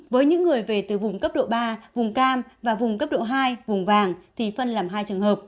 với những người về từ vùng cấp độ ba vùng cam và vùng cấp độ hai vùng vàng thì phân làm hai trường hợp